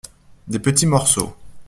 Des petits morceaux.